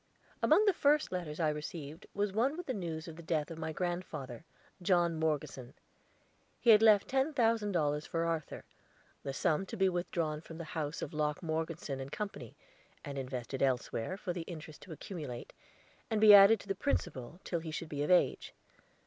Among the first letters I received was one with the news of the death of my grandfather, John Morgeson. He had left ten thousand dollars for Arthur, the sum to be withdrawn from the house of Locke Morgeson & Co., and invested elsewhere, for the interest to accumulate, and be added to the principal, till he should be of age.